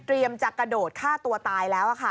เตรียมจะกระโดดฆ่าตัวตายแล้ว